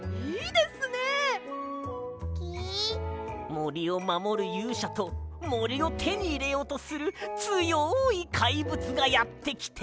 もりをまもるゆうしゃともりをてにいれようとするつよいかいぶつがやってきて。